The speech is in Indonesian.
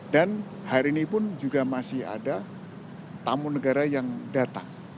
dan hari ini pun juga masih ada tamu negara yang datang